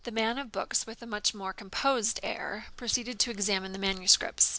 The man of books with a much more composed air proceeded to examine the manuscripts.